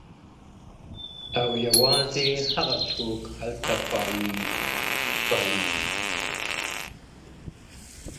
او یوازي هغه څوک هلته پایېږي-